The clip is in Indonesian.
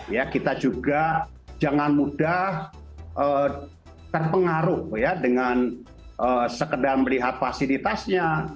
ya kita juga jangan mudah terpengaruh ya dengan sekedar melihat fasilitasnya